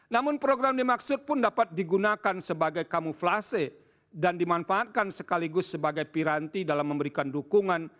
namun program dimaksud pun dapat digunakan sebagai kamuflase dan dimanfaatkan sekaligus sebagai piranti dalam memberikan dukungan